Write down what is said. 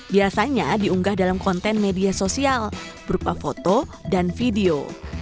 biasanya diunggah dalam konten media sosial berupa foto dan video